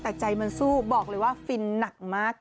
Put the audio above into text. แต่ใจมันสู้บอกเลยว่าฟินหนักมากค่ะ